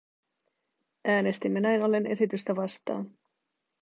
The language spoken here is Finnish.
Äänestimme näin ollen esitystä vastaan.